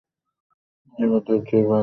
এবার ধৈর্য্যের বাঁধ ভেঙ্গে গেছে।